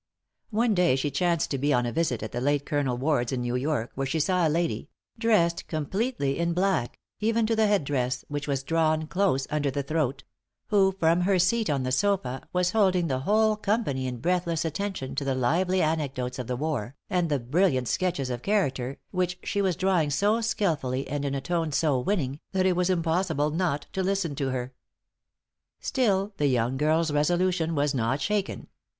One day she chanced to be on a visit at the late Colonel Ward's in New York, where she saw a lady dressed completely in black, even to the head dress, which was drawn close under the throat who from her seat on the sofa was holding the whole company in breathless attention to the lively anecdotes of the war, and the brilliant sketches of character, which she was drawing so skillfully and in a tone so winning, that it was impossible not to listen to her. Still the young girl's resolution was not shaken.